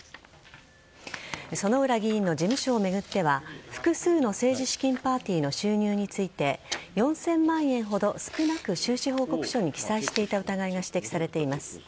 薗浦議員の事務所を巡っては複数の政治資金パーティーの収入について４０００万円ほど少なく収支報告書に記載していた疑いが指摘されています。